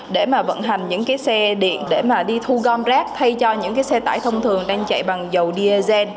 để mà vận hành những cái xe điện để mà đi thu gom rác thay cho những cái xe tải thông thường đang chạy bằng dầu diesel